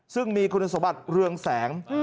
ซึ่งมีคุณสมบัติเรืองแสง